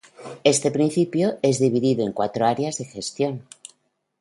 Este principio es dividido en cuatro áreas de gestión.